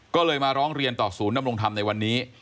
ก็เลยมาร้องเรียนต่อศูนนำลงทำในวันนี้